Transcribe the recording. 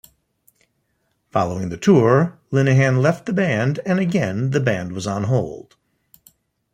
Following the tour, Linehan left the band and again the band was on hold.